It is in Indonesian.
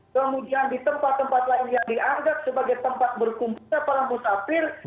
kemudian di tempat tempat lain yang dianggap sebagai tempat berkumpulnya para musafir